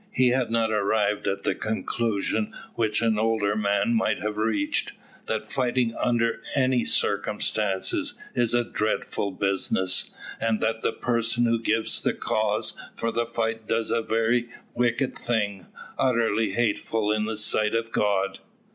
He had not arrived at the conclusion which an older man might have reached, that fighting under any circumstances is a dreadful business, and that the person who gives the cause for the fight does a very wicked thing, utterly hateful in the sight of God.